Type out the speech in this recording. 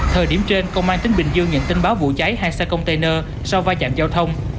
thời điểm trên công an tp hcm nhận tin báo vụ cháy hai xe container sau vai trạm giao thông